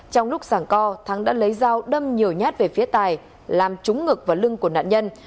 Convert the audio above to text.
trong lúc sảng co thắng đã lấy dao đâm nhiều nhát về phía tài làm trúng ngực và lưng của nạn nhân